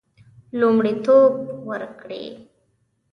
لومړیتوب ورکړي.